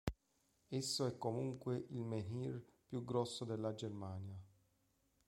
Esso è comunque il menhir più grosso della Germania.